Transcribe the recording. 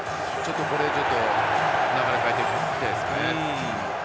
ここで流れを変えていきたいです。